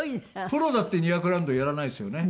プロだって２００ラウンドやらないですよね。